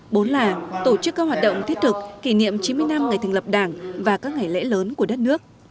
bốn là tổ chức các hoạt động thiết thực kỷ niệm chín mươi năm ngày thành lập đảng và các ngày lễ lớn của đất nước